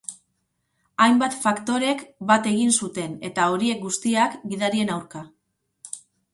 Hainbat faktorek bat egin zuten, eta horiek guztiak, gidarien aurka.